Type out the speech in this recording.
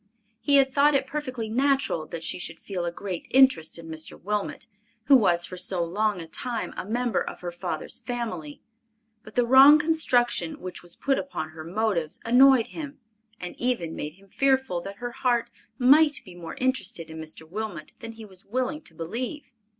He had thought it perfectly natural that she should feel a great interest in Mr. Wilmot, who was for so long a time a member of her father's family; but the wrong construction which was put upon her motives annoyed him, and even made him fearful that her heart might be more interested in Mr. Wilmot than he was willing to believe.